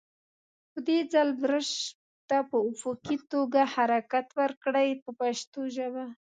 په دې ځل برش ته په افقي توګه حرکت ورکړئ په پښتو ژبه.